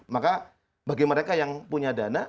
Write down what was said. maka bagi mereka yang punya dana